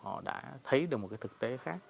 họ đã thấy được một cái thực tế khác